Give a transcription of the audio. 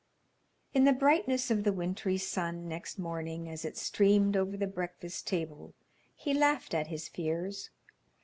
II. In the brightness of the wintry sun next morning as it streamed over the breakfast table he laughed at his fears.